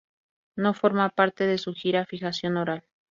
No forma parte de su gira Fijación Oral.